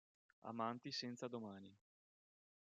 Amanti senza domani